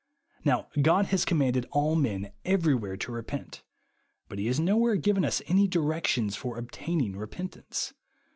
Now God has commanded all men every where to repent ; but he has nowhere given us any directions for obtaining repentance.